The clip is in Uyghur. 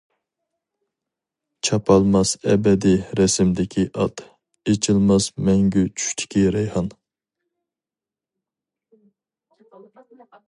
چاپالماس ئەبەدىي رەسىمدىكى ئات، ئېچىلماس مەڭگۈ چۈشتىكى رەيھان.